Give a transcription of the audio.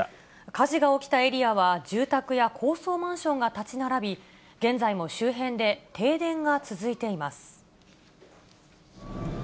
火事が起きたエリアは住宅や高層マンションが建ち並び、現在も周辺で停電が続いています。